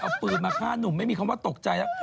เอาปืนมาฆ่าหนุ่มไม่มีคำว่าตกใจแล้ว